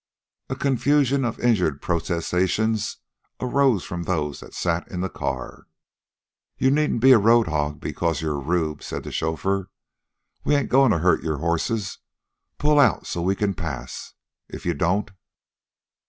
A confusion of injured protestation arose from those that sat in the car. "You needn't be a road hog because you're a Rube," said the chauffeur. "We ain't a goin' to hurt your horses. Pull out so we can pass. If you don't..."